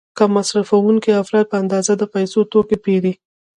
کم مصرفوونکي افراد په اندازه د پیسو توکي پیري.